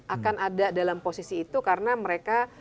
akan ada dalam posisi itu karena mereka